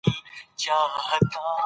که توپ د وکټو سره وموښلي، بېټسمېن سوځي.